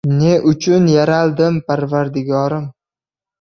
Ne uchun yaraldim, Parvardigorim?!